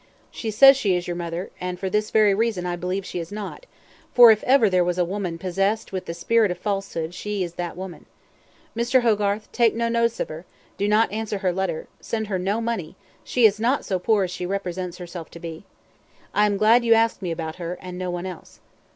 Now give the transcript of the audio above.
"She says she is your mother, and for this very reason I believe she is not, for if ever there was a woman possessed with the spirit of falsehood, she is that woman. Mr. Hogarth, take no notice of her do not answer her letter send her no money; she is not so poor as she represents herself to be. I am glad you asked me about her, and no one else."